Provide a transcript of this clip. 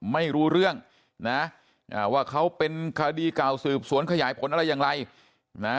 ไม่รู้เรื่องนะว่าเขาเป็นคดีเก่าสืบสวนขยายผลอะไรอย่างไรนะ